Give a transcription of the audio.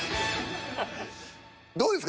どうですか？